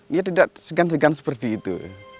ya tidak segan segan seperti itu